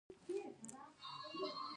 افغانستان د باران په اړه علمي څېړنې لري.